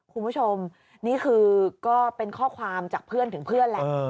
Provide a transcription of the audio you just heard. คุณผู้ชมนี่คือก็เป็นข้อความจากเพื่อนถึงเพื่อนแหละ